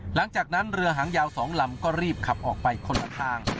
หลังจากนั้นเรือหางยาว๒ลำก็รีบขับออกไปคนละทาง